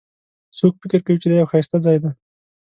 څوک فکر کوي چې دا یو ښایسته ځای ده